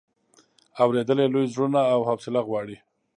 اورېدل یې لوی زړونه او حوصله غواړي.